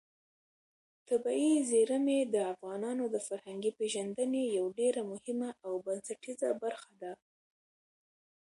طبیعي زیرمې د افغانانو د فرهنګي پیژندنې یوه ډېره مهمه او بنسټیزه برخه ده.